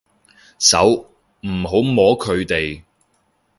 手，唔好摸佢哋